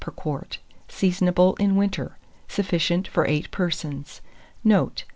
per quart. Seasonable in winter. Sufficient for 8 persons. Note.